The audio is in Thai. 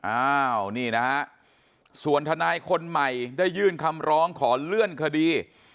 อ้าวนี่นะฮะส่วนทนายคนใหม่ได้ยื่นคำร้องขอเลื่อนคดี